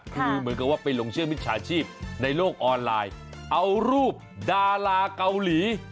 คือเหมือนกับว่าไปหลงเชื่อมิจฉาชีพในโลกออนไลน์เอารูปดาราเกาหลี